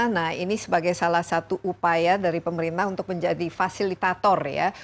nah ini sebagai salah satu upaya dari pemerintah untuk menjadi fasilitator ya